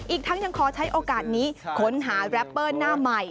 อีกทั้งยังขอใช้โอกาสนี้ค้นหาแรปเปอร์หน้าใหม่